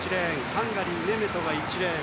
ハンガリー、ネメトが１レーン。